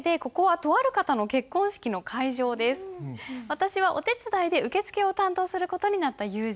私はお手伝いで受付を担当する事になった友人。